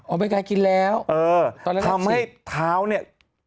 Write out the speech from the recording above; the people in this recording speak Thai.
ออกเป็นการกินแล้วเพราะละ๑๐เออทำให้เท้าเนี่ย